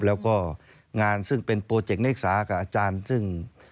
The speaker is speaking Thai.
แล้วก็งานซึ่งเป็นโปรเจกต์นักศึกษากับอาจารย์ซึ่ง